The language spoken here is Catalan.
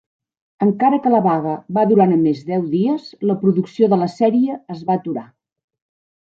Encara que la vaga va durar només deu dies, la producció de la sèrie es va aturar.